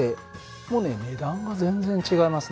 もうね値段が全然違いますね。